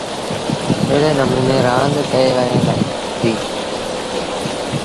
ايڙي نموٚني رآند ڪئيٚ وهي دي۔